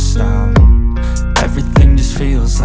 soya sebenarnya orang tinggal aja